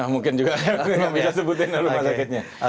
mungkin juga bisa sebutkan rumah sakitnya